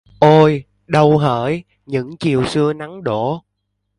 Ôi! Đâu hỡi? Những chiều xưa nắng đổ